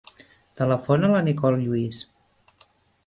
Telefona a la Nicole Lluis.